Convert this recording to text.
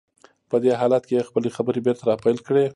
په دې حالت کې يې خپلې خبرې بېرته را پيل کړې.